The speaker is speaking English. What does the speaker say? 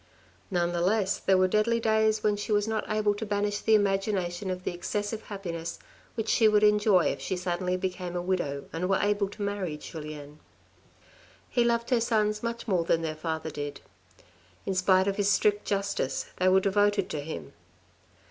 None the less, there were deadly days when she was not able to banish the imagination of the excessive happiness which she would enjoy if she suddenly became a widow, and were able to marry julien. He loved her sons much more than their father did ; in spite of his strict justice they were devoted to him.